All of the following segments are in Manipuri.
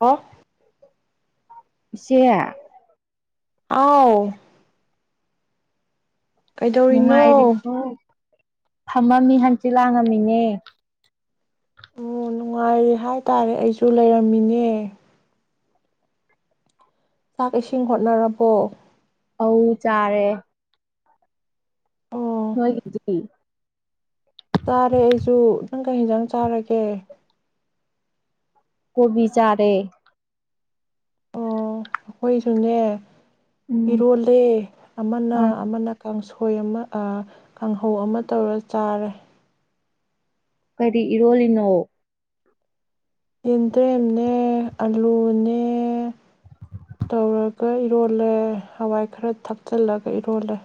ꯍ ꯁꯤꯌꯥ ꯑꯥꯎ ꯀꯩꯗꯧꯔꯤꯅꯣ ꯅꯨꯡꯉꯥꯏꯔꯤꯕꯣ ꯐꯝꯃꯝꯃꯤ ꯍꯪꯆꯤꯠ ꯂꯥꯡꯉꯝꯃꯤꯅꯦ ꯑꯣ ꯅꯨꯡꯉꯥꯏꯔꯤ ꯍꯥꯏꯇꯥꯔꯦ ꯑꯩꯁꯨ ꯂꯩꯔꯝꯃꯤꯅꯦ ꯆꯥꯛ ꯏꯁꯤꯡ ꯍꯣꯠꯅꯔꯕꯣ ꯑ ꯆꯥꯔꯦ ꯑꯣ ꯍꯗꯦ ꯆꯥꯔꯦ ꯑꯩꯁꯨ ꯅꯪ ꯀ ꯌꯦꯦꯟꯖꯥꯡ ꯆꯥꯔꯒꯦ ꯀꯕꯤ ꯆꯔꯦ ꯑꯣ ꯑꯩꯈꯣꯏꯁꯨꯅꯦ ꯎꯝ ꯏꯤꯔꯣꯜꯂꯦ ꯑꯃꯅ ꯑ ꯑꯃꯅ ꯀꯥꯡꯁ ꯑꯩꯣꯏ ꯑꯃ ꯀꯥꯡꯍꯧ ꯑꯃ ꯇꯧꯔ ꯆꯥꯔꯦ ꯀꯔꯤ ꯏꯔꯣꯜꯂꯤꯅꯣ ꯌꯦꯟꯗ꯭ꯔꯦꯝꯅꯦ ꯑꯂꯨꯅꯦ ꯇꯧꯔꯒ ꯏꯔꯣꯜꯂꯦ ꯍꯋꯥꯏ ꯈꯔ ꯊꯛꯆꯤꯜꯂꯒ ꯏꯔꯣꯜꯂꯦ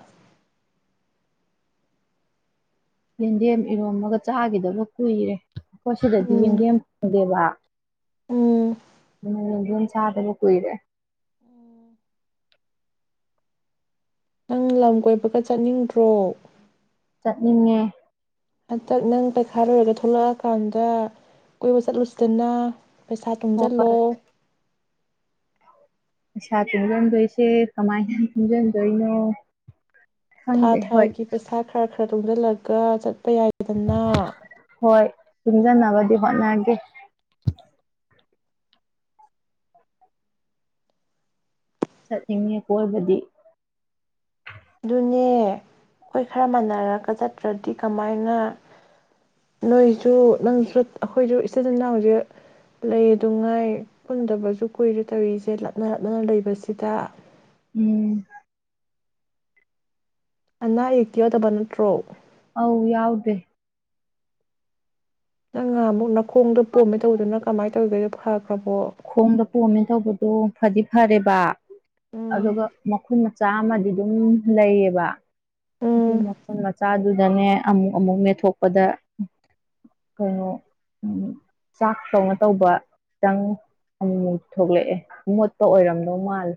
ꯌꯦꯟꯗꯦꯝ ꯏꯔꯣꯝꯕꯒ ꯆꯥꯈꯤꯗꯕ ꯀꯨꯏꯔꯦ ꯑꯩꯈꯣꯏ ꯁꯤꯗꯗꯤ ꯎꯝ ꯌꯦꯟꯗꯦꯝ ꯐꯪꯗꯦꯕ ꯎꯝ ꯑꯗꯨꯅ ꯆꯥꯗꯕ ꯀꯨꯏꯔꯦ ꯅꯪ ꯂꯝ ꯀꯣꯏꯕꯒ ꯆꯠꯅꯤꯡꯗ꯭ꯔꯣ ꯆꯠꯅꯤꯡꯉꯦ ꯍꯟꯗꯛ ꯅꯪ ꯄꯩꯈꯥꯔꯣꯏꯔꯒ ꯊꯣꯛꯂꯛꯑꯀꯥꯟꯗ ꯀꯣꯏꯕ ꯆꯠꯂꯨꯁꯤꯗꯅ ꯄꯩꯁꯥ ꯇꯨꯡꯁꯤꯜꯂꯣ ꯍꯣꯏ ꯄꯩꯁꯥ ꯇꯨꯡꯁꯤꯟꯗꯣꯏꯁꯦ ꯀꯃꯥꯏꯅ ꯇꯨꯡꯁꯤꯟꯗꯣꯏꯅꯣ ꯊꯥ ꯈꯪꯗꯦ ꯍꯣꯏ ꯊꯥꯒꯤ ꯄꯩꯁꯥ ꯈꯔ ꯈꯔ ꯇꯨꯡꯁꯤꯜꯂꯒ ꯆꯠ ꯆꯠꯄ ꯌꯥꯏꯗꯅ ꯇꯨꯡꯖꯟꯅꫪ ꯅꯥꯕꯗꯤ ꯍꯣꯠꯅꯒꯦ ꯆꯠꯅꯤꯡꯏ ꯀꯣꯏꯕꯗꯤ ꯑꯗꯨꯅꯦ ꯑꯩꯈꯣꯏ ꯈꯔ ꯃꯥꯟꯅꯔꯒ ꯆꯠꯇ꯭ꯔꯗꯤ ꯀꯃꯥꯏꯅ ꯅꯣꯏꯁꯨ ꯅꯪꯁꯨ ꯑꯩꯈꯣꯏꯁꯨ ꯏꯆꯤꯟꯅꯥꯎꯁ ꯂꯩ ꯑꯗꯨ ꯉꯥꯏ ꯄꯨꯟꯗꯕꯁꯨ ꯀꯨꯏꯔꯦ ꯇꯧꯔꯤꯁꯦ ꯂꯥꯞꯅ ꯂꯥꯞꯅꯅ ꯂꯩꯕꯁꯤꯗ ꯎꯝ ꯑꯅꯥ ꯑꯌꯦꯛꯛꯇꯤ ꯌꯥꯎꯗꯕ ꯅꯠꯇ꯭ꯔꯣ ꯑꯥꯎ ꯌꯥꯎꯗꯦ ꯅꯪ ꯉꯍꯥꯃꯨꯛ ꯅꯈꯣꯡꯗ ꯄꯣꯝꯃꯦ ꯇꯧꯕꯗꯨꯅ ꯀꯃꯥꯏꯅ ꯇꯧꯗꯣꯏꯅꯣ ꯈꯣꯡꯗ ꯄꯣꯝꯃꯦ ꯇꯧꯕꯗꯣ ꯐꯗꯤ ꯐꯔꯦꯕ ꯎꯝ ꯑꯗꯨꯒ ꯃꯈꯨꯟ ꯆꯥꯝꯃꯗꯤ ꯑꯗꯨꯝ ꯂꯩꯌꯦꯕ ꯎꯝ ꯗꯅꯦ ꯑꯃꯨꯛ ꯑꯃꯨꯛ ꯃꯦꯠꯊꯣꯛꯄꯗ ꯀꯩꯅꯣ ꯆꯥꯛ ꯇꯧꯅ ꯇꯧꯕ ꯈꯤꯇꯪ ꯑꯃꯃꯨꯛ ꯊꯣꯛꯂꯛꯑꯦ ꯃꯣꯠꯄ ꯑꯣꯏꯔꯝꯗꯧ ꯃꯥꯜꯂꯦ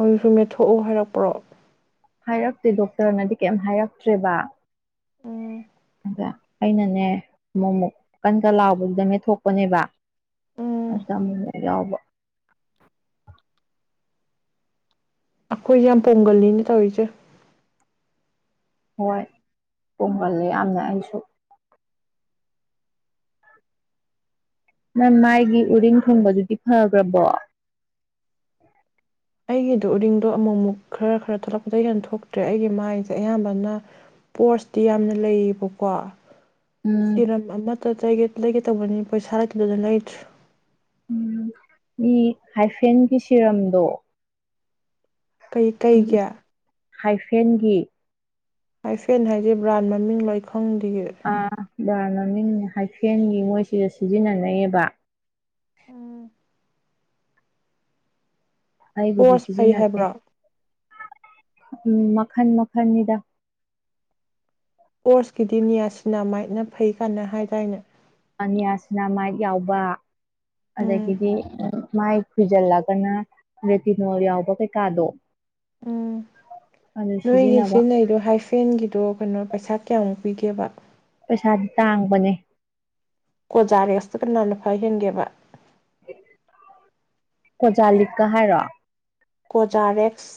ꯑꯗꯨꯁꯨ ꯃꯦꯠꯊꯣꯛꯎ ꯍꯥꯏꯔꯛꯄ꯭ꯔꯣ ꯍꯥꯏꯔꯛꯇꯦ ꯗꯣꯛꯇ꯭ꯔ ꯅꯗꯤ ꯀꯩꯝ ꯍꯥꯏꯔꯛꯇ꯭ꯔꯦꯕ ꯎꯝ ꯑꯗ ꯑꯩꯅꯅꯦ ꯑꯃꯣꯃꯨꯛ ꯀꯟ ꯀꯟ ꯂꯥꯎꯕꯗꯨꯗꯅꯦ ꯃꯦꯊꯣꯛꯄꯅꯦꯕ ꯎꯝ ꯑꯁ ꯑꯃꯨ ꯃꯨꯛ ꯌꯥꯎꯕ ꯑꯈꯣꯏꯖ‌ꯦ ꯌꯥꯝ ꯄꯣꯡꯒꯜꯅꯤꯅꯤ ꯇꯧꯏ ꯆꯦ ꯍꯣꯏ ꯄ‌ꯣꯝꯒꯜꯂꯤ ꯌꯥꯝꯅ ꯑꯩꯁꯨ ꯅꯪ ꯃꯥꯏꯒꯤ ꯎꯔꯤꯡ ꯊꯨꯡꯕꯗꯨꯗꯤ ꯐꯈ꯭ꯔꯕꯣ ꯑꯩꯒꯤꯗꯣ ꯎꯔꯤꯡꯗꯣ ꯑꯃꯨꯛ ꯑꯃꯨꯛ ꯈꯔ ꯈꯔ ꯊꯣꯛꯂꯛꯄꯗꯒꯤ ꯍꯦꯟꯅ ꯊꯣꯛꯇ꯭ꯔꯦ ꯑꯩꯒꯤ ꯃꯥꯏꯟꯁꯦ ꯑꯌꯥꯝꯕꯅ ꯄꯣ꯭ꯔꯁꯇꯤ ꯌꯥꯝꯅ ꯂꯩꯌꯦꯕꯀꯣ ꯎꯝ ꯁꯤꯔꯝ ꯑꯃꯠꯇꯒꯦ ꯂꯩꯒꯦ ꯇꯧꯕꯅꯤ ꯄꯩꯁꯥ ꯑꯗꯨꯅ ꯂꯩꯇ꯭ꯔꯦ ꯎꯝ ꯃꯤ ꯍꯥꯏꯐꯦꯟꯒꯤ ꯁꯤꯔꯝꯗꯣ ꯀꯩ ꯀꯩꯒꯤ ꯍꯥꯏꯐꯦꯟꯒꯤ ꯑꯥꯏꯐꯦꯟ ꯍꯥꯏꯁꯦ ꯕ꯭ꯔꯥꯟ ꯃꯃꯤꯡ ꯂꯣ ꯈꯪꯗꯤꯌꯦ ꯕ꯭ꯔꯥꯟ ꯃꯃꯤꯡ ꯅꯦ ꯍꯥꯏꯐꯦꯟꯒꯤ ꯃꯣꯏꯁꯤꯗ ꯁꯤꯖꯤꯟꯅꯟꯅꯩꯌꯦꯕ ꯑꯩꯕꯨꯗꯤ ꯄꯣꯔꯁ ꯐꯩ ꯁꯤꯖꯤꯟꯅꯗꯦ ꯍꯥꯏꯕ꯭ꯔꯥ ꯎꯝ ꯃꯈꯟ ꯃꯈꯟꯅꯤꯗ ꯄꯣꯔꯁꯀꯤꯗꯤ ꯅꯤꯌꯥꯁꯤꯅꯥ ꯃꯥꯏꯠꯅ ꯐꯩ ꯀꯥꯟꯅ ꯍꯥꯏꯗꯥꯏꯅꯦ ꯑ ꯅꯤꯌꯥꯁꯅꯥ ꯃꯥꯏꯠ ꯌꯥꯎꯕ ꯎꯝ ꯑꯗꯒꯤꯗꯤ ꯃꯥꯏ ꯈꯨꯏꯖꯜꯂꯒꯅ ꯔꯦꯇꯤꯅꯣꯜ ꯌꯥꯎꯕ ꯀꯩꯀꯥꯗꯣ ꯎꯝ ꯑꯗꯨ ꯅꯣꯏꯒꯤ ꯁꯤꯖꯤꯟꯅꯕ ꯁꯤꯖꯤꯟꯅꯩꯗꯣ ꯍꯥꯏꯐꯦꯟꯒꯤꯗꯣ ꯀꯩꯅꯣ ꯄꯩꯁꯥ ꯀꯌꯥꯃꯨꯛ ꯄꯤꯒꯦꯕ ꯄꯩꯁꯥꯗꯤ ꯇꯥꯡꯕꯅꯦ ꯀꯣꯖꯥꯔꯦꯁꯇ ꯀꯅꯥ ꯈꯋ꯭ꯥꯏ ꯍꯦꯟꯒꯦꯕ ꯀꯣꯖꯥ ꯂꯤꯛꯀ ꯍꯥꯏꯔꯣ ꯀꯣꯖꯥꯔꯦꯛꯁ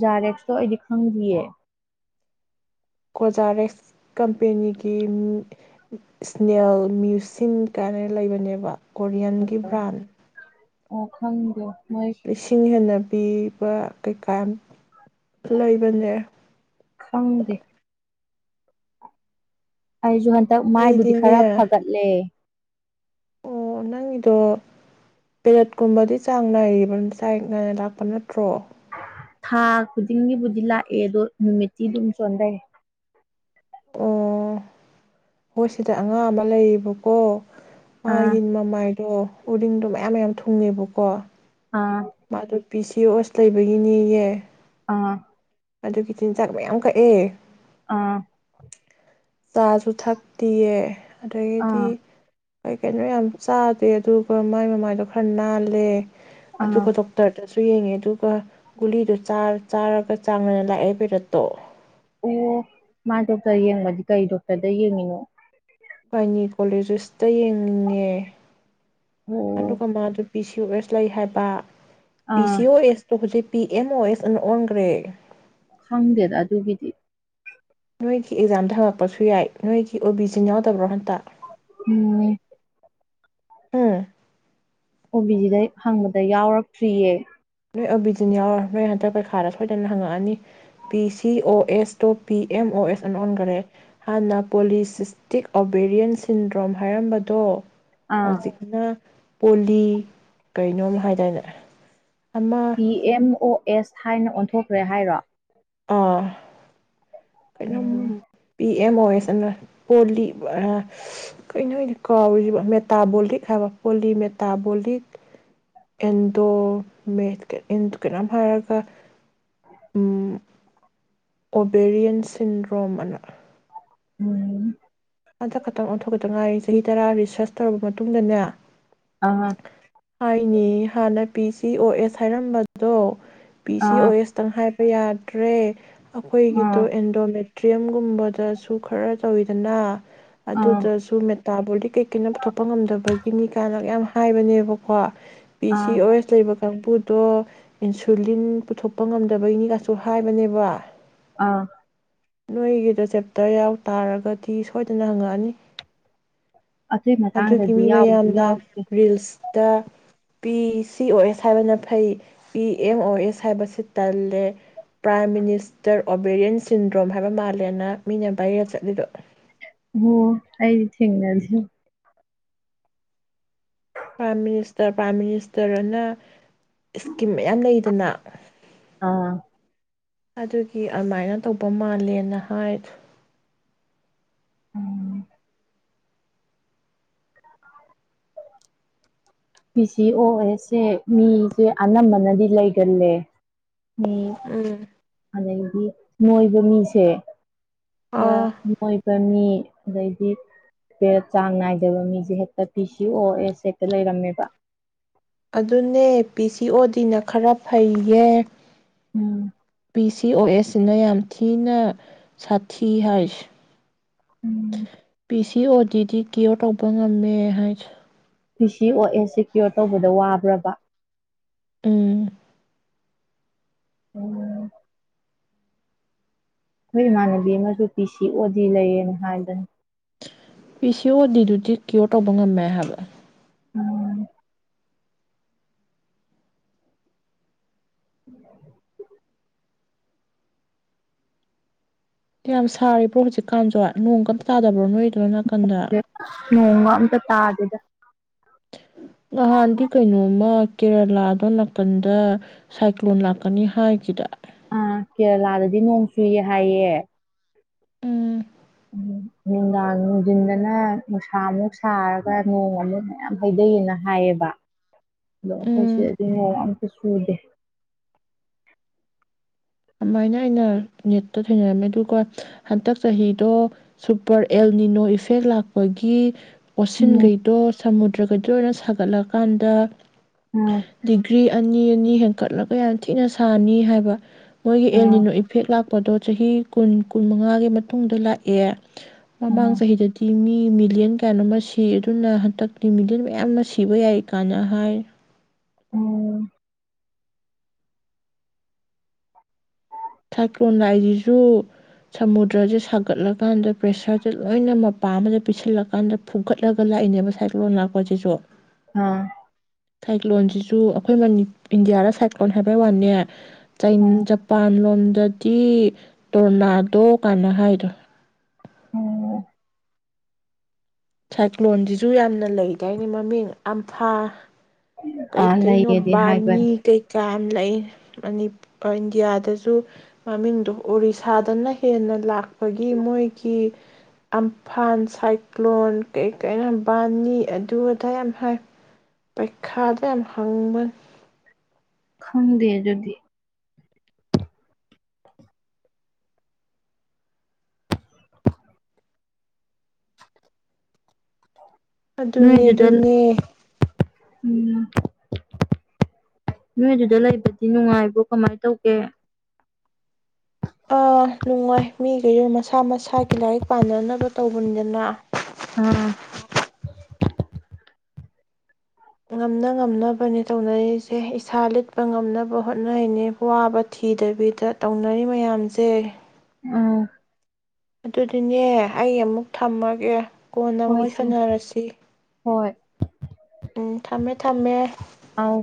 ꯀꯣꯖꯥꯔꯦꯛꯁ ꯇꯣ ꯑꯩꯗꯤ ꯈꯪꯗꯤꯌꯦ ꯀꯣꯖꯥꯔꯦꯛꯁ ꯀꯝꯄꯦꯅꯤꯒꯤ ꯏꯁꯅꯦꯜ ꯃ꯭ꯌꯨꯁꯤꯟ ꯀꯥꯏꯅ ꯂꯩꯕꯅꯦꯕ ꯀꯣꯔꯤꯌꯟꯒꯤ ꯕ꯭ꯔꯥꯟ ꯑꯣ ꯈꯪꯗꯦ ꯃꯣꯏ ꯂꯤꯁꯤꯡ ꯍꯦꯟꯅ ꯄꯤꯕ ꯀꯩꯀꯥ ꯂꯩꯕꯅꯦ ꯈꯪꯗꯦ ꯑꯩꯁꯨ ꯍꯟꯗꯛ ꯃꯥꯏꯕꯨꯗꯤ ꯈꯔ ꯑꯩꯗꯤꯅꯦ ꯐꯒꯠꯂꯦ ꯑꯣ ꯅꯪꯒꯤꯗꯣ ꯄꯦꯔꯦꯠꯀꯨꯝꯕꯗꯤ ꯆꯥꯡ ꯅꯥꯏꯔꯤꯕ ꯆꯥꯏ ꯅꯥꯏꯅ ꯂꯥꯛꯄ ꯅꯠꯇ꯭ꯔꯣ ꯊꯥ ꯈꯨꯗꯤꯡꯒꯤꯕꯨꯗꯤ ꯂꯥꯛꯑꯦ ꯑꯗꯣ ꯅꯨꯃꯤꯠꯇꯤ ꯑꯗꯨꯝ ꯆꯣꯟꯊꯩ ꯑꯣ ꯍꯣꯏ ꯁꯤꯗ ꯑꯉꯥꯡ ꯑꯃ ꯂꯩꯌꯦꯕꯀꯣ ꯃꯥ ꯑꯥ ꯌꯦꯟ ꯃꯃꯥꯏꯗꯣ ꯎꯔꯤꯡꯗꯣ ꯃꯌꯥꯝ ꯃꯌꯥꯝ ꯊꯨꯡꯉꯦꯕꯀꯣ ꯑ ꯃꯥꯗꯣ ꯄꯤ ꯁꯤ ꯑꯣꯁ ꯂꯩꯕꯒꯤꯅꯤꯌꯦ ꯑ ꯑꯗꯨꯒꯤ ꯆꯤꯟꯖꯥꯛ ꯃꯌꯥꯝ ꯀꯛꯑꯦ ꯑꯥ ꯆꯥꯁꯨ ꯊꯛꯇꯤꯌꯦ ꯑꯗꯒꯤꯗꯤ ꯑꯥ ꯑꯩ ꯀꯩꯅꯣ ꯌꯥꯝ ꯆꯥꯗꯦ ꯑꯗꯨꯒ ꯃꯥꯏ ꯃꯃꯥꯏꯗꯣ ꯈꯔ ꯅꯥꯜꯂꯦ ꯑꯥ ꯑꯗꯨꯒ ꯇꯣꯛꯛꯇꯔꯗ ꯁꯨ ꯌꯦꯡꯉꯦ ꯑꯗꯨꯒ ꯒꯨꯂꯤꯗꯨ ꯆꯥꯔꯒ ꯆꯥꯡꯅꯅ ꯂꯥꯛꯑꯦ ꯄꯦꯔꯠꯇꯣ ꯑꯣ ꯃꯥ ꯗꯣꯛꯇꯔ ꯌꯦꯡꯕꯗꯤ ꯀꯔꯤ ꯗꯣꯛꯇꯔꯗ ꯌꯦꯡꯉꯤꯅꯣ ꯚꯕꯥꯏꯅꯤ ꯀꯣꯂꯦꯖꯦꯁꯇ ꯌꯦꯡꯅꯤꯡꯉꯦ ꯑꯣ ꯑꯗꯨꯗꯨ ꯀꯃ ꯑꯗꯨ ꯕꯤ ꯁꯤ ꯑꯦꯁ ꯂꯩ ꯍꯥꯏꯕ ꯄꯤ ꯑꯥ ꯁꯤ ꯑꯣ ꯑꯦꯁꯇꯣ ꯍꯧꯖꯤꯛ ꯄꯤ ꯑꯦꯝ ꯑꯣ ꯑꯦꯁ ꯑꯃꯨꯛ ꯑꯣꯟꯈ꯭ꯔꯦ ꯈꯪꯗꯦꯗ ꯑꯗꯨꯒꯤꯗꯤ ꯅꯣꯏꯒꯤ ꯑꯦꯛꯖꯥꯝꯗ ꯍꯪꯉꯛꯄꯁꯨ ꯌꯥꯏ ꯅꯣꯏꯒꯤ ꯑꯣ ꯕꯤ ꯁꯤ ꯌꯥꯎꯗꯕ꯭ꯔꯣ ꯎꯝ ꯑꯝ ꯑꯣ ꯕꯤ ꯁꯤꯗ ꯐꯪꯕꯗ ꯑꯩ ꯌꯥꯎꯔꯛꯇ꯭ꯔꯤꯌꯦ ꯅꯣꯏ ꯑꯣꯕꯤꯖꯤꯟ ꯌꯥꯎꯔ ꯅꯣꯏ ꯍꯟꯗꯛ ꯄꯩꯈꯥꯗ ꯁꯣꯏꯗꯅ ꯍꯪꯉꯛꯑꯅꯤ ꯄꯤ ꯁꯤ ꯑꯣ ꯑꯦꯁꯇꯣ ꯄꯤ ꯑꯦꯝ ꯑꯣ ꯑꯦꯁ ꯑꯟ ꯑꯣꯟꯈꯔꯦ ꯍꯥꯟꯅ ꯄꯣꯂꯤꯁꯤꯁꯇꯤꯛ ꯑꯣꯕꯦꯔꯤꯌꯦꯟ ꯁꯤꯟꯗ꯭ꯔꯣꯝ ꯍꯥꯏꯔꯝꯕꯗꯣ ꯑꯥ ꯍꯧꯖꯤꯛꯅ ꯄꯣꯂꯤ ꯀꯩꯅꯣꯝ ꯍꯥꯏꯇꯗꯥꯏꯅꯦ ꯄꯤ ꯑꯦꯝ ꯑꯣ ꯑꯦꯁ ꯍꯥꯏꯅ ꯑꯣꯟꯊꯣꯛꯈ꯭ꯔꯦ ꯍꯥꯏꯔꯣ ꯑꯥ ꯎꯝ ꯀꯩꯅꯣꯝ ꯄꯤ ꯑꯦꯝ ꯑꯣ ꯑꯦꯁ ꯑꯅ ꯄꯣꯂꯤ ꯀꯩꯅꯣꯅ ꯀꯥꯎꯔꯤꯕ ꯃꯦꯇꯥꯕꯣꯂꯤꯛ ꯍꯥꯏꯕ ꯄꯣꯂꯤ ꯃꯦꯇꯥꯕꯣꯂꯤꯛ ꯑꯦꯟꯗꯣ ꯀꯩꯅꯣꯝ ꯍꯥꯏꯔꯒ ꯎꯝ ꯑꯣꯕꯦꯔꯤꯌꯦꯟ ꯁꯤꯟꯗ꯭ꯔꯣꯝ ꯑꯅ ꯎꯝ ꯍꯟꯗꯛ ꯈꯛꯇꯪ ꯑꯣꯟꯊꯣꯛꯀꯇ ꯉꯥꯏꯔꯤ ꯆꯍꯤ ꯇꯔꯥ ꯔꯤꯁꯔꯁ ꯇꯧꯔꯕ ꯃꯇꯨꯡꯗꯅꯦ ꯑ ꯍꯥꯏꯅꯦ ꯍꯥꯟꯅ ꯄꯤ ꯁꯤ ꯑꯣ ꯑꯦꯁ ꯍꯥꯏꯔꯝꯕꯗꯣ ꯄꯤ ꯁꯤ ꯑꯥ ꯑꯣ ꯑꯦꯁꯇꯪ ꯍꯥꯏꯥꯏ ꯌꯥꯗ꯭ꯔꯦ ꯑꯥ ꯑꯩꯈꯣꯏꯒꯤꯗꯨꯣ ꯑꯦꯟꯗꯣꯃꯦꯦꯟ ꯇ꯭꯭ꯔꯌꯦꯝꯒꯨꯝꯕꯗꯁꯨ ꯈꯔ ꯇꯧꯋꯤꯗꯅ ꯑꯥ ꯑꯗꯨꯗꯁꯨ ꯑꯇꯥꯕꯣꯜꯗꯤ ꯀꯩ ꯀꯩꯅ ꯄꯨꯊꯣꯛꯄ ꯉꯝꯗꯕꯒꯤꯅꯤ ꯀꯥꯏꯅ ꯌꯥꯝ ꯍꯥꯏꯕꯅꯦꯕꯀꯣ ꯄꯤ ꯁꯤ ꯑꯥ ꯑꯣ ꯂꯩ ꯃꯈ ꯀꯥꯡꯕꯨꯗꯣ ꯏꯟꯁꯨꯂꯤꯟ ꯄꯨꯊꯣꯛꯄ ꯉꯝꯗꯕꯒꯤꯅꯤꯒꯁꯨ ꯍꯥꯏꯕꯅꯦꯕ ꯑꯥ ꯅꯣꯏꯒꯤꯗ ꯆꯦꯞꯇꯔ ꯌꯥꯎ ꯇꯥꯔꯒꯗꯤ ꯁꯣꯏꯗꯅ ꯍꯪꯉꯛꯑꯅꯤ ꯑꯗꯨꯏ ꯑꯗꯨꯒꯤ ꯃꯇꯥꯡꯗꯗꯤ ꯃꯤ ꯌꯥꯎꯗꯤ ꯃꯌꯥꯝꯅ ꯌꯥꯎꯗ꯭ꯔꯤ ꯔꯤꯜꯁ ꯇ ꯄꯤ ꯁꯤ ꯑꯣ ꯑꯦꯁ ꯍꯥꯏꯕꯅ ꯐꯩ ꯄꯤ ꯑꯦꯝ ꯑꯣ ꯑꯦꯁ ꯍꯥꯏꯕꯁꯤ ꯇꯜꯂꯦ ꯄ꯭ꯔꯥꯏꯝ ꯃꯤꯅꯤꯁꯇꯔ ꯑꯣꯕꯦꯔꯤꯌꯦꯟ ꯁꯤꯟꯗ꯭ꯔꯣꯝ ꯍꯥꯏꯕ ꯃꯥꯜꯂꯦꯅ ꯃꯤꯅ ꯚꯥꯏꯔ ꯆꯠꯂꯤꯕ ꯑꯣ ꯑꯩꯗꯤ ꯊꯦꯡꯅꯖ ꯄ꯭ꯔꯥꯏꯝ ꯃꯤꯅꯤꯁꯇꯔ ꯄ꯭ꯔꯥꯏꯝ ꯃꯤꯅꯤꯁꯇꯔꯅ ꯏꯁꯀꯤꯝ ꯃꯌꯥꯝ ꯂꯩꯗꯅ ꯑꯥ ꯑꯗꯨꯒꯤ ꯑꯗꯨꯃꯥꯏꯅ ꯇꯧꯕ ꯃꯥꯜꯂꯦꯅ ꯍꯥꯏꯗꯣ ꯎꯝ ꯤ ꯁꯤ ꯑꯣ ꯑꯦꯁꯁꯦ ꯃꯤꯁꯦ ꯑꯅꯝꯕꯅꯗꯤ ꯂꯩꯒꯜꯂꯦ ꯃꯤ ꯎꯝ ꯑꯗ ꯃꯣꯏꯕꯨꯃꯤꯁꯦ ꯑ ꯑꯥ ꯃꯣꯏꯕꯅꯤ ꯑꯗꯩꯗꯤꯦ ꯆꯥꯡ ꯅꯥꯏꯗꯕ ꯃꯤꯁꯦ ꯍꯦꯛꯇ ꯄꯤ ꯁꯤ ꯑꯣ ꯑꯦꯁ ꯍꯦꯛꯇ ꯂꯩꯔꯝꯃꯦꯕ ꯑꯗꯨꯅꯦ ꯄꯤ ꯁꯤ ꯑꯣ ꯗꯤꯅ ꯈꯔ ꯐꯩꯌꯦ ꯎꯝ ꯕꯤ ꯁꯤ ꯑꯣ ꯑꯦꯁꯅ ꯌꯥꯝ ꯊꯤꯅ ꯁꯥꯊꯤ ꯍꯥꯏꯁ ꯄ ꯁꯤ ꯀꯤ ꯑꯣ ꯗꯤꯗꯤ ꯀ꯭ꯌꯣꯔ ꯇꯧꯕ ꯉꯝꯃꯦ ꯍꯥꯏꯁ ꯄꯤ ꯁꯤ ꯑꯣ ꯑꯦꯟ ꯁꯦꯀ꯭ꯌꯣꯔ ꯇꯧꯕꯗ ꯋꯥꯕ꯭ꯔꯕ ꯎꯝ ꯎꯝ ꯑꯩꯈꯣꯏ ꯏꯃꯥꯟꯅꯕꯤ ꯑꯃꯁꯨ ꯄꯤ ꯁꯤ ꯑꯣ ꯗꯤ ꯂꯩꯌꯦꯅ ꯍꯥꯏꯗꯨꯅꯤ ꯄꯤ ꯁꯤ ꯑꯣ ꯗꯤꯗꯨꯗꯤ ꯀ꯭ꯌꯣꯔ ꯇꯧꯕ ꯉꯝꯃꯦ ꯍꯥꯏꯕꯔꯥ? ꯎꯝ꯫ [inaudible] ꯌꯥꯝ ꯁꯥꯔꯤꯕ꯭ꯔꯣ ꯍꯧꯖꯤꯛꯀꯥꯟꯁꯨ ꯅꯣꯡ ꯀꯝꯇ ꯇꯥꯗꯕ꯭ꯔꯣ ꯅꯣꯏꯗꯅꯣ? ꯅꯣꯡꯒ ꯑꯝꯇ ꯇꯥꯗꯦꯗ꯫ [inaudible] ꯅꯍꯥꯟꯗꯤ ꯀꯩꯅꯣꯝꯃ ꯀꯦꯔꯂꯥꯗꯣ ꯅꯥꯀꯟꯗ ꯁꯥꯏꯀ꯭ꯂꯣꯟ ꯂꯥꯛꯀꯅꯤ ꯍꯥꯏꯈꯤꯗ꯫ ꯑꯥ ꯀꯦꯔꯦꯂꯥꯗꯗꯤ ꯅꯣꯡ ꯆꯨꯏꯌꯦ ꯍꯥꯏꯌꯦ꯫ ꯎꯝ ꯎ ꯅꯨꯡꯗꯥꯡ ꯅꯨꯡꯗꯤꯟꯗꯅ ꯅꯨꯡꯁꯥ ꯑꯃꯨꯛ ꯁꯥꯔꯒ ꯅꯣꯡ ꯑꯃꯨꯛ ꯃꯌꯥꯝ ꯍꯩꯊꯩꯑꯅ ꯍꯥꯏꯌꯦꯕ ꯑꯗꯣ ꯑꯩꯈꯣꯏ ꯎꯝ ꯁꯤꯗꯗꯤ ꯅꯣꯡ ꯑꯝꯇ ꯆꯨꯗꯦ꯫ ꯑꯗꯨꯃꯥꯏꯅ ꯑꯩꯅ ꯅꯦꯠꯇ ꯊꯦꯡꯅꯔꯝꯃꯦ ꯑꯗꯨꯒ ꯍꯟꯗꯛ ꯆꯍꯤꯗꯣ ꯁꯨꯄꯔ ꯑꯦꯜꯅꯤꯅꯣ ꯏꯐꯦꯛ ꯂꯥꯛꯄꯒꯤ ꯎꯝ ꯑꯣꯁꯤꯟꯈꯩꯗꯣ ꯁꯃꯨꯗ꯭ꯔꯈꯩꯗꯣ ꯂꯣꯏꯅ ꯁꯥꯒꯠꯂꯛ ꯀꯥꯟꯗ ꯎꯝ ꯗꯤꯒ꯭ꯔꯤ ꯑꯅꯤ ꯍꯦꯟꯀꯠꯂꯒ ꯌꯥꯝ ꯊꯤꯅ ꯁꯥꯅꯤ ꯍꯥꯏꯕ꯫ ꯃꯣꯏꯒꯤ ꯎꯝ ꯑꯦꯅꯤꯅꯣ ꯏꯐꯦꯛ ꯂꯥꯛꯄꯗꯣ ꯆꯍꯤ ꯀꯨꯟ - ꯀꯨꯟ ꯃꯉꯥꯒꯤ ꯃꯇꯨꯡꯗ ꯂꯥꯛꯑꯦ ꯃꯃꯥꯡ ꯎꯝ ꯆꯍꯤꯗꯗꯤ ꯃꯤ ꯃꯤꯂꯤꯌꯟ ꯀꯌꯥꯅꯣꯃ ꯁꯤ ꯑꯗꯨꯅ ꯍꯟꯗꯛꯇꯤ ꯃꯤꯂꯤꯌꯟ ꯃꯌꯥꯝ ꯑꯃ ꯁꯤꯕ ꯌꯥꯏ ꯀꯥꯏꯅ ꯍꯥꯏ꯫ ꯎꯝ꯫ ꯁꯥꯏꯀ꯭ꯂꯣꯟ ꯂꯥꯛꯏꯁꯤꯁꯨ ꯁꯃꯨꯗ꯭ꯔꯁꯦ ꯁꯥꯒꯠꯂꯀꯥꯟꯗ ꯄ꯭ꯔꯦꯁꯔꯁꯦ ꯂꯣꯏꯅ ꯃꯄꯥ ꯑꯃꯗ ꯄꯁꯤꯜꯂꯀꯥꯟꯗ ꯐꯨꯒꯠꯂꯒ ꯂꯥꯛꯏꯅꯦꯕ ꯁꯥꯏꯀ꯭ꯂꯣꯟ ꯂꯥꯛꯄꯁꯤꯁꯨ꯫ ꯑꯥ ꯁꯥꯏꯀꯂꯣꯟ ꯁꯤꯖꯨ ꯁꯨ ꯑꯩꯈꯣꯏ ꯃꯅꯤ ꯏꯟꯗꯤꯌꯥꯗ ꯁꯥꯏ꯭ꯣꯟ ꯍꯥꯏꯕꯩ ꯋꯥꯅꯦ ꯑꯥ ꯖꯄꯥꯟ ꯂꯣꯟ ꯗꯗꯤ ꯇꯣꯔꯅꯥꯗꯣ ꯀꯥꯟꯅ ꯍꯥꯏꯔꯤꯗꯣ꯫ ꯑꯣ ꯁꯥꯏꯀ꯭ꯂꯣꯟꯁꯤꯁꯨ ꯌꯥꯝꯅ ꯂꯩꯗꯥꯥꯏꯅꯤ ꯃꯃꯤꯡ ꯑꯝꯐꯥ ꯑꯥ ꯀꯩꯀꯩꯅꯣ ꯂꯩꯌꯦꯗꯤ ꯕꯥꯅꯤ ꯍꯥꯏꯕꯅꯤ ꯀꯩ ꯀꯌꯥꯝ ꯂꯩ ꯏꯟꯗꯤꯌꯥꯗꯁꯨ ꯃꯃꯤꯡꯗꯣ ꯑꯣꯔꯤꯁꯥꯗꯅ ꯍꯦꯟꯅ ꯂꯥꯛꯄꯒꯤ ꯃꯣꯏꯒꯤ ꯑꯝꯐꯥꯟ ꯁꯥꯏ ꯂꯣꯟ ꯀꯩ ꯀꯩ ꯌꯥꯝ ꯕꯥꯅꯤ ꯑꯗꯨ ꯑꯗꯥ ꯌꯥꯝ ꯄꯩꯈꯥꯗ ꯌꯥꯝ ꯍꯪꯕꯅꯤ꯫ ꯈꯪꯗꯦ ꯑꯗꯨꯗꯤ꯫ ꯑꯗꯨꯅꯦ - ꯅꯣꯏꯗꯨꯗ ꯑꯗꯨꯅꯦ꯫ ꯎꯝ ꯅꯣꯏꯗꯨꯗ ꯂꯩꯕꯗꯤ ꯅꯨꯡꯉꯥꯏꯕ꯭ꯔꯣ ꯀꯃꯥꯏꯅ ꯇꯧꯒꯦ? ꯑꯥ ꯅꯨꯡꯉꯥꯏ ꯃꯤ ꯂꯣꯢꯅ ꯃꯁꯥ- ꯃꯁꯥꯒꯤ ꯂꯥꯏꯔꯤꯛ ꯄꯥꯅꯅꯕ ꯇꯧꯕꯅꯤꯗꯅ ꯑꯝ꯫ ꯉꯝꯅ - ꯉꯝꯅꯕꯅꯦ ꯇꯧꯅꯔꯤꯁꯦ ꯏꯁꯥ ꯂꯤꯠꯄ ꯉꯝꯅꯕ ꯍꯣꯠꯅꯩꯅꯦ ꯋꯥꯕ ꯊꯤꯗꯕꯤꯗ ꯇꯧꯅꯔꯤ ꯃꯌꯥꯝꯁꯦ꯫ ꯑꯝ꯫ ꯑꯗꯨꯗꯤꯅꯦ ꯑꯩ ꯑꯃꯨꯛ ꯊꯝꯃꯒꯦ꯫ ꯀꯣꯟꯅ ꯍꯣꯏ ꯃꯣꯏ ꯆꯦ ꯁꯥꯟꯅꯔꯁꯤ꯫ ꯍꯣꯏ꯫ ꯎꯝ ꯊꯝꯃꯦ- ꯊꯝꯃꯦ꯫ ꯑꯧ